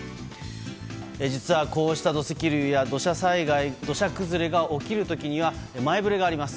実はこうした土石流や土砂災害土砂崩れが起きる時には前触れがあります。